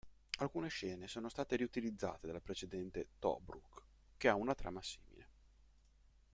Alcune scene sono state riutilizzate dal precedente "Tobruk", che ha una trama simile.